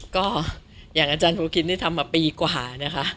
ก็อย่างอาจารย์ภูกินนี่ทำมาปีกว่านะคะ